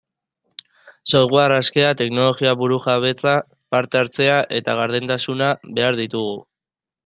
Software askea, teknologia burujabetza, parte-hartzea eta gardentasuna behar ditugu.